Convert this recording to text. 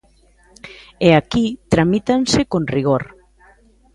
E aquí tramítanse con rigor.